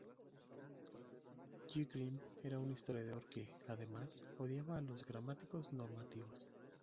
J. Grimm era un historiador que, además, odiaba a los gramáticos normativos.